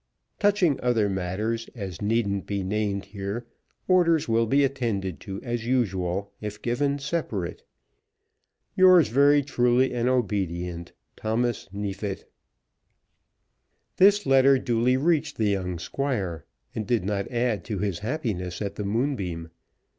Touching other matters, as needn't be named here, orders will be attended to as usual if given separate. Yours very truly and obedient, THOMAS NEEFIT. This letter duly reached the young Squire, and did not add to his happiness at the Moonbeam.